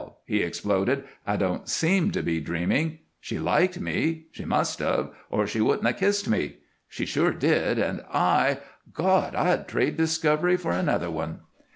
_" he exploded. "I don't seem to be dreaming. She liked me she must of or she wouldn't of kissed me. She sure did, and I God! I'd trade Discovery for another one."